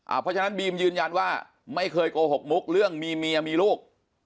เพราะฉะนั้นบีมยืนยันว่าไม่เคยโกหกมุกเรื่องมีเมียมีลูก